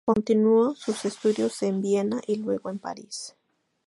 Continuó sus estudios en Viena y, luego, en París.